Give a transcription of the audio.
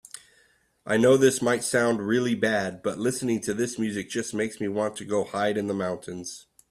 I know this might sound really bad, but listening to this music just makes me want to go hide in the mountains.